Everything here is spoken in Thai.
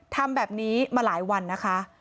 ทำแบบนี้มาหลายวันนะคะ